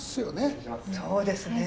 そうですね。